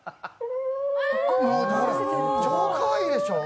超かわいいでしょう？